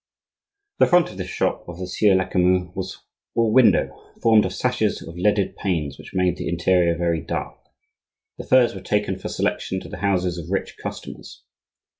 The front of this shop of the Sieur Lecamus was all window, formed of sashes of leaded panes, which made the interior very dark. The furs were taken for selection to the houses of rich customers.